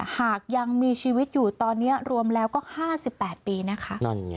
หากยังมีชีวิตอยู่ตอนนี้รวมแล้วก็๕๘ปีนะคะ